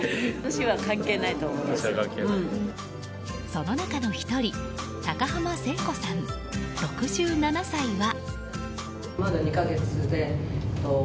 その中の１人高濱青子さん、６７歳は。